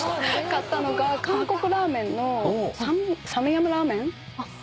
買ったのが韓国ラーメンのサムヤンラーメン。